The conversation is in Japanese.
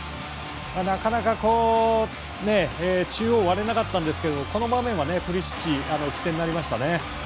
なかなか中央、割れなかったんですけどこの場面はプリシッチ起点になりましたね。